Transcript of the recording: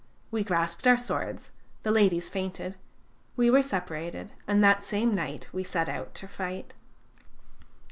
We grasped our swords; the ladies fainted; we were separated; and that same night we set out to fight.